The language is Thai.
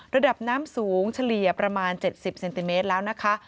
ระดับน้ำสูงเฉลี่ยประมาณ๗๐เซนติเมตรแล้วนะคะ